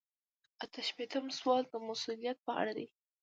اته شپیتم سوال د مسؤلیت په اړه دی.